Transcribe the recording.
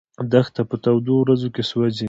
دښته په تودو ورځو کې سوځي.